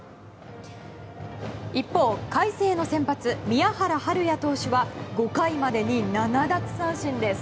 一方、海星の先発宮原明弥投手は５回までに７奪三振です。